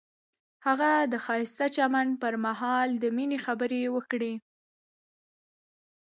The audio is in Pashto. هغه د ښایسته چمن پر مهال د مینې خبرې وکړې.